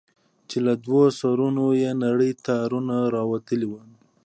چې له دوو سرونو يې نري تارونه راوتلي دي.